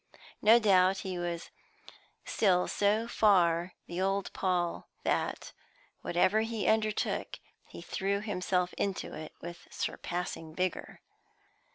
No doubt he was still so far the old Paul, that, whatever he undertook, he threw himself into it with surpassing vigour.